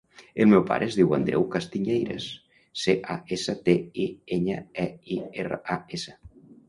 El meu pare es diu Andreu Castiñeiras: ce, a, essa, te, i, enya, e, i, erra, a, essa.